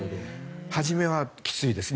初めはきついです。